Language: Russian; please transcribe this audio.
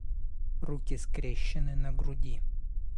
Руки скрещены на груди